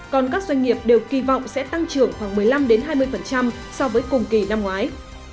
còn các doanh nghiệp đều kỳ vọng sẽ tăng trưởng khoảng một mươi năm hai mươi so với cùng kỳ năm ngoái